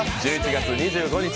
１１月２５日